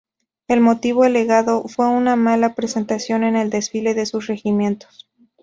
El motivo alegado fue una mala presentación en el desfile de sus regimientos.